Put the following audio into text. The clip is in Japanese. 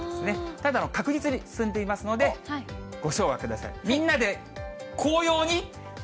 ただ、確実に進んでいますので、ご唱和ください。